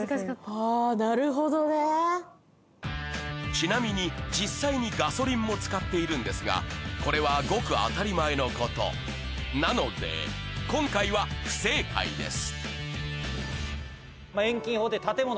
ちなみに実際にガソリンも使っているんですがこれはごく当たり前のことなので今回は不正解です